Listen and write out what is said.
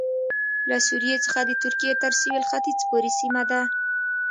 له سوریې څخه د ترکیې تر سوېل ختیځ پورې سیمه ده